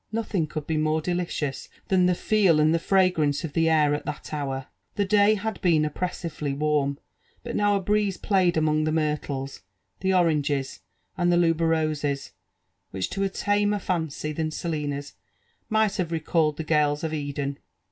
Nothing could be more delicious than the fe^aiill the fragrance of the air at that hour. The day had been oppressively warm, but now a breeze played among the myrtles, the oranges, and the tuberoses, which, to a tamer fancy than Selina's, might have recalled the gales of Eden.